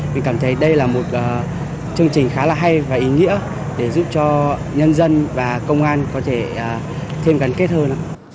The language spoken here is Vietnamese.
mình cảm thấy đây là một chương trình khá là hay và ý nghĩa để giúp cho nhân dân và công an có thể thêm gắn kết hơn